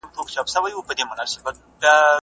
تجربې وکړه.